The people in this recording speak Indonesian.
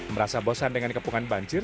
merasa bosan dengan kepungan banjir